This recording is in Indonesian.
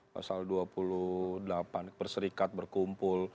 pasal dua puluh delapan berserikat berkumpul